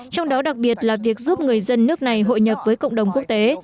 trong đó đặc biệt là việc giúp người dân nước này hội nhập với cộng đồng quốc tế